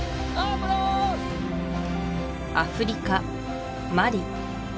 アフリカマリ